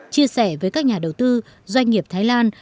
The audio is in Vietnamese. chia sẻ với các nhà đầu tư doanh nghiệp thái lan